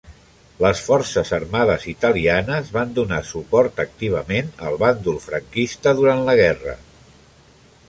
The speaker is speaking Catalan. Les forces armades italianes van donar suport activament al bàndol franquista durant la guerra.